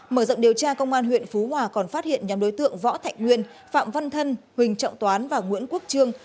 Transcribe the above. mở rộng điều tra công an huyện phú hòa còn phát hiện nhóm đối tượng võ thạch nguyên phạm văn thân huỳnh trọng toán và nguyễn quốc trương